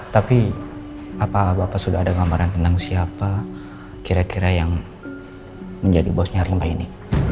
tapi apa bapak sudah ada gambaran tentang siapa kira kira yang menjadi bosnya rimba ini